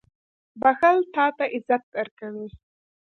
• بښل تا ته عزت درکوي.